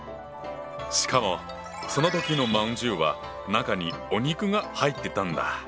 しかもその時の饅頭は中にお肉が入ってたんだ！